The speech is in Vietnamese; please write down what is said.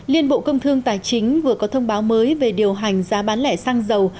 liên bộ công thương tài chính vừa có thông báo mới về điều hành giá bán lẻ xăng dầu